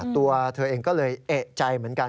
ตัวเธอเองก็เลยเอกใจเหมือนกัน